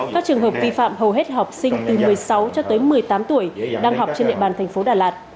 các trường hợp vi phạm hầu hết học sinh từ một mươi sáu cho tới một mươi tám tuổi đang học trên địa bàn thành phố đà lạt